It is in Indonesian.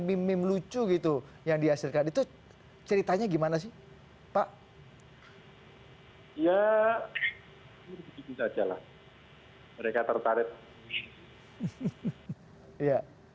mim lucu gitu yang dihasilkan itu ceritanya gimana sih pak oh ya itu saja lah mereka tertarik